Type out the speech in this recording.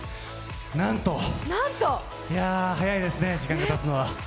なんと、いや、早いですね、時間がたつのは。